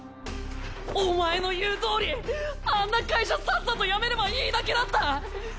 お前の言うとおりあんな会社さっさと辞めればいいだけだった！